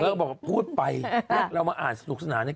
เธอบอกว่าพูดไปแล้วเรามาอ่านสนุกสนานนี้